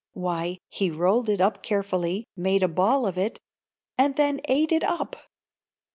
Why, he rolled it up carefully, made a ball of it, and then ate it up!